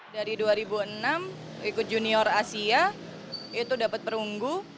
dari dua ribu enam ikut junior asia itu dapat perunggu